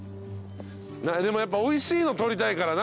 でもやっぱおいしいの採りたいからな。